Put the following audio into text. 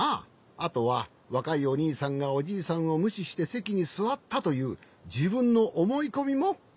あとはわかいおにいさんがおじいさんをむししてせきにすわったというじぶんのおもいこみもいちめんじゃね。